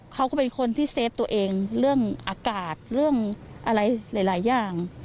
เขาก็เป็นคนที่เซฟตัวเองเรื่องอากาศเรื่องอะไรหลายอย่าง